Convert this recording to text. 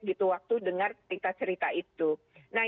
gitu waktu dengar cerita cerita itu